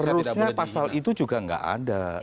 harusnya pasal itu juga nggak ada